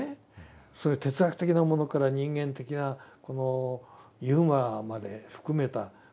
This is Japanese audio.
そういう哲学的なものから人間的なこのユーモアまで含めたこの広さ。